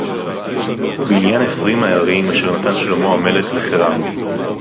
בְּעִנְיַן עֶשְׂרִים הֶעָרִים אֲשֶׁר נָתַן שְׁלֹמֹה הַמֶּלֶךְ לְחִירָם